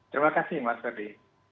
terima kasih mas pepe